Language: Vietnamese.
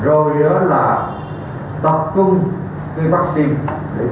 rồi đó là tập trung cái vaccine